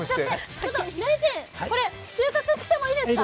ちょっと、名人、これ収穫してもいいですか？